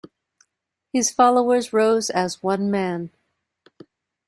His followers rose as one man.